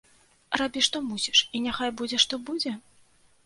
Рабі, што мусіш, і няхай будзе, што будзе?